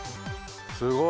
すごい。